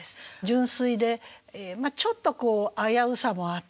純粋でちょっとこう危うさもあって。